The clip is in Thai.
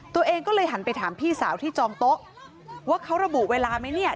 ตัวเองก็เลยหันไปถามพี่สาวที่จองโต๊ะว่าเขาระบุเวลาไหมเนี่ย